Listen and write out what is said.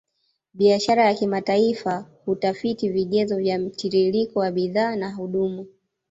Biashara ya kimataifa hutafiti vigezo vya mtiririko wa bidhaa na huduma